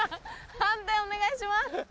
判定お願いします。